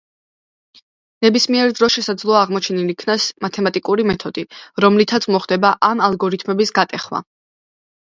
ნებისმიერ დროს შესაძლოა აღმოჩენილ იქნას მათემატიკური მეთოდი, რომლითაც მოხდება ამ ალგორითმების გატეხვა.